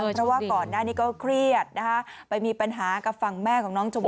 เพราะว่าก่อนหน้านี้ก็เครียดนะคะไปมีปัญหากับฝั่งแม่ของน้องชมพู่